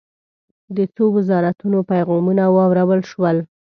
د څو وزارتونو پیغامونه واورل شول.